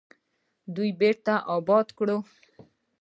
خو دوی بیرته اباد کړل.